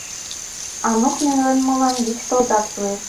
Анук нелеммылан вич тылзат шуэш.